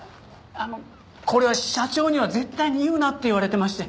あのこれは社長には絶対に言うなって言われてまして。